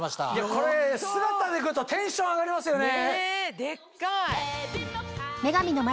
これ姿で来るとテンション上がりますよね。